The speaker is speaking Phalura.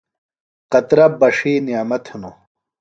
قطرہ بݜی نعمت ہِنوۡ۔